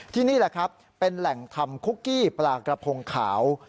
ที่นี่แหล่งทำคุกกี้ปลากระพงขาว